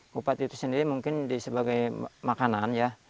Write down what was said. bupati itu sendiri mungkin sebagai makanan ya